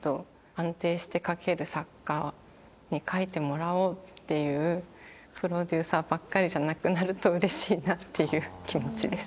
安定して書ける作家に書いてもらおうっていうプロデューサーばっかりじゃなくなるとうれしいなっていう気持ちです。